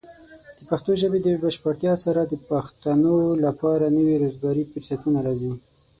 د پښتو ژبې د بشپړتیا سره، د پښتنو لپاره نوي روزګاري فرصتونه راځي.